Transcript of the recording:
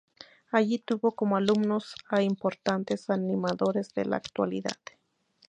Allí tuvo como alumnos a importantes animadores de la actualidad.